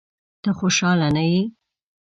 ته خوشاله نه یې؟